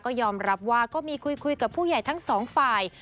ก็ยอมรับว่าก็มีคุยกับผู้ใหญ่ทั้งสองฝ่าย